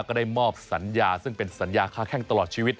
ก็ได้มอบสัญญาซึ่งเป็นสัญญาค้าแข้งตลอดชีวิต